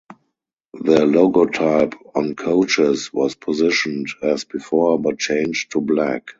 The logotype on coaches was positioned as before but changed to black.